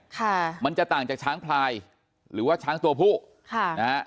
ค่ะมันจะต่างจากช้างพลายหรือว่าช้างตัวผู้ค่ะนะฮะ